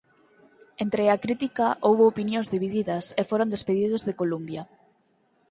Entre a crítica houbo opinións divididas e foron despedidos de Columbia.